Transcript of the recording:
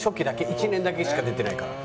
１年だけしか出てないから。